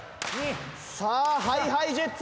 さあＨｉＨｉＪｅｔｓ